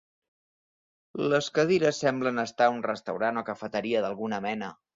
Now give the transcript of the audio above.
Les cadires semble estar a un restaurant o cafeteria d'alguna mena.